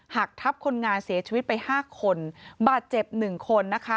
หักทับคนงานเสียชีวิตไป๕คนบาดเจ็บ๑คนนะคะ